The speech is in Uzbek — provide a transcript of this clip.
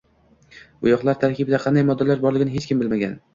Boʻyoqlar tarkibida qanday moddalar borligini hech kim bilmagan.